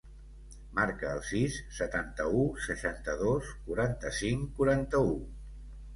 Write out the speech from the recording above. Marca el sis, setanta-u, seixanta-dos, quaranta-cinc, quaranta-u.